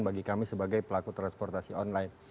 bagi kami sebagai pelaku transportasi online